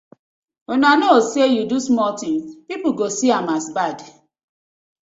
Una kno say yu do small tins e go pipu go see am as bad.